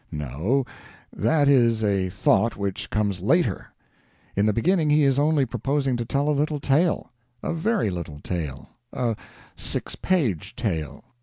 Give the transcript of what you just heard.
No that is a thought which comes later; in the beginning he is only proposing to tell a little tale; a very little tale; a six page tale.